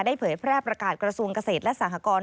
ได้เผยแพร่ประกาศกรรมกระโสนกเศรษฐและสหกรณ์